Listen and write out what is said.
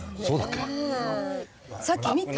さっき見た？